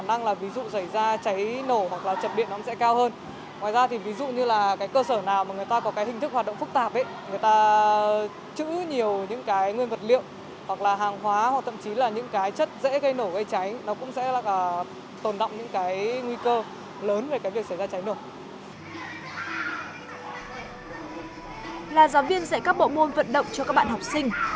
là giáo viên dạy các bộ môn vận động cho các bạn học sinh